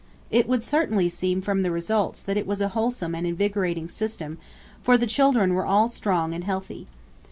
It would certainly seem from the results that it was a wholesome and invigorating system, for the children were all strong and healthy.